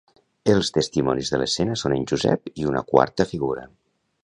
Els testimonis de l'escena són en Josep i una quarta figura.